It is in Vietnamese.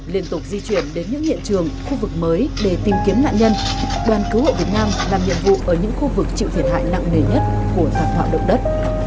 liên tục di chuyển đến những hiện trường khu vực mới để tìm kiếm nạn nhân đoàn cứu hộ việt nam làm nhiệm vụ ở những khu vực chịu thiệt hại nặng nề nhất của thảm họa động đất